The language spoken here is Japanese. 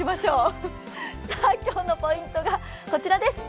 今日のポイントがこちらです。